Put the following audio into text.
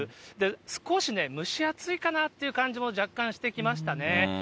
少しね、蒸し暑いかなという感じも若干してきましたね。